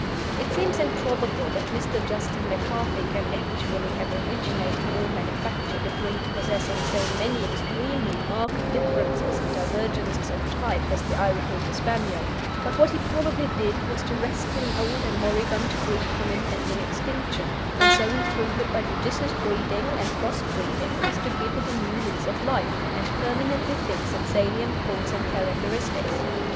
It seems improbable that Mr. Justin McCarthy can actually have originated or manufactured a breed possessing so many extremely marked differences and divergences of type as the Irish Water Spaniel; but what he probably did was to rescue an old and moribund breed from impending extinction, and so improve it by judicious breeding, and cross breeding as to give it a new lease of life, and permanently fix its salient points and characteristics.